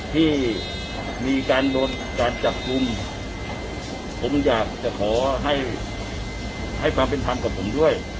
ที่มีการโดนการจับกลุ่มผมอยากจะขอให้ให้ความเป็นธรรมกับผมด้วย